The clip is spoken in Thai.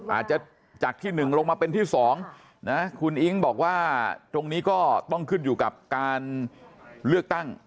อาจจะจากที่๑ลงมาเป็นที่๒นะคุณอิ๊งบอกว่าตรงนี้ก็ต้องขึ้นอยู่กับการเลือกตั้ง